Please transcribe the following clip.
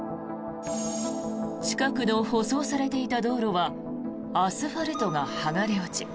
近くの舗装されていた道路はアスファルトが剥がれ落ち